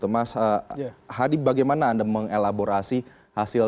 mas hadi bagaimana anda mengelaborasi hasil